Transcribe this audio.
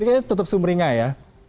ini kayaknya tetap sumberingan ya